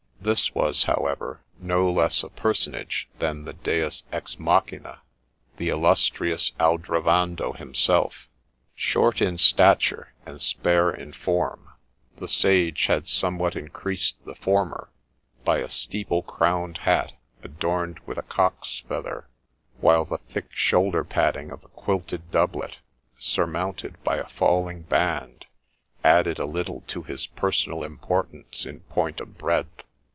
This was, however, no less a personage than the Deua ex machind, — the illustrious Aldrovando himself. Short in stature and spare in form, the sage had somewhat increased the former by a steeple crowned hat adorned with a cock's feather ; while the thick shoulder padding of a quilted doublet, surmounted by a falling band, added a little to his personal importance in point of breadth.